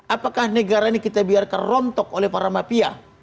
apakah negara ini kita biarkan rontok oleh para mafia